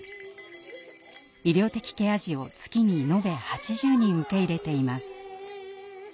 医療的ケア児を月に延べ８０人受け入れています。